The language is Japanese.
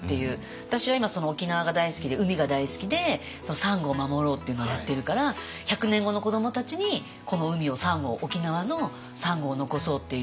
私は今沖縄が大好きで海が大好きでサンゴを守ろうっていうのをやってるから１００年後の子どもたちにこの海をサンゴを沖縄のサンゴを残そうっていうので。